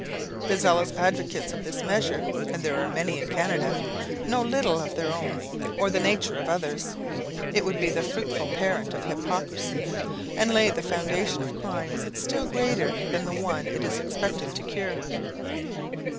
The zealous advocates of this measure (and there are many in Canada) know little of their own, or the nature of others. It would be the fruitful parent of hypocrisy, and lay the foundation of crimes still greater than the one it is expected to cure.